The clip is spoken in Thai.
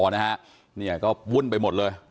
เนี่ยก็วุ่นไปหมดเลย